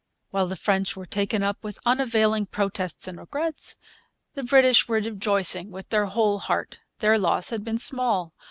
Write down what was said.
While the French were taken up with unavailing protests and regrets the British were rejoicing with their whole heart. Their loss had been small.